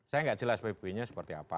saya gak jelas pbb nya seperti apa